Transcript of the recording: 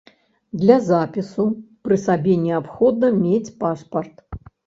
Для запісу пры сабе неабходна мець пашпарт.